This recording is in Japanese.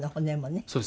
そうです。